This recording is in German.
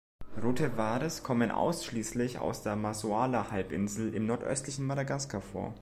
Rote Varis kommen ausschließlich auf der Masoala-Halbinsel im nordöstlichen Madagaskar vor.